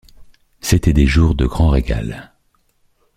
C’était des jours de grand régal.